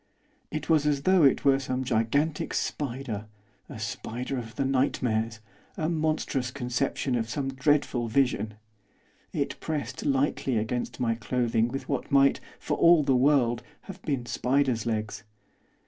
It was as though it were some gigantic spider, a spider of the nightmares; a monstrous conception of some dreadful vision. It pressed lightly against my clothing with what might, for all the world, have been spider's legs.